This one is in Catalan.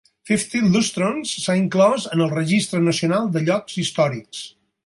Fifty Lustrons s'ha inclòs en el Registre nacional de llocs històrics.